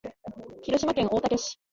広島県大竹市